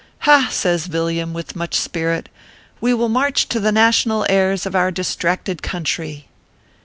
"Ha!" says Villiam, with much spirit, a we will march to the national airs of our distracted country